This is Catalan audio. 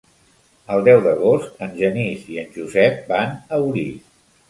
El deu d'agost en Genís i en Josep van a Orís.